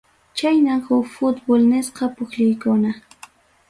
Chaynam huk fútbol nisqa pukllaykuna.